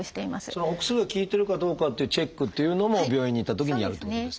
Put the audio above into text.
そのお薬が効いてるかどうかっていうチェックっていうのも病院に行ったときにやるってことですか？